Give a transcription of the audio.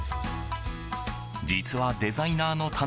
実は、デザイナーの棚